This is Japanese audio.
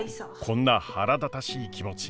こんな腹立たしい気持ち